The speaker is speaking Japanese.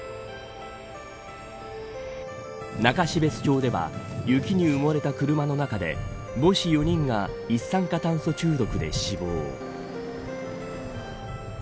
中標津町では雪に埋もれた車の中で母子４人が一酸化炭素中毒で死亡。